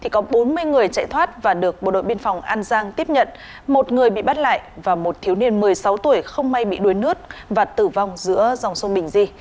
có bốn mươi người chạy thoát và được bộ đội biên phòng an giang tiếp nhận một người bị bắt lại và một thiếu niên một mươi sáu tuổi không may bị đuối nước và tử vong giữa dòng sông bình di